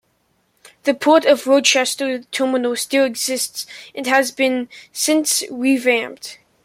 The Port of Rochester terminal still exists and has since been revamped.